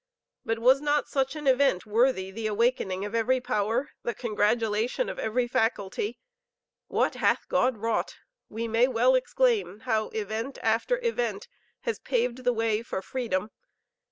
But was not such an event worthy the awakening of every power the congratulation of every faculty? What hath God wrought! We may well exclaim how event after event has paved the way for freedom.